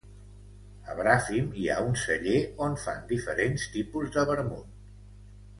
A Bràfim hi ha un celler on fan diferents tipus de vermut.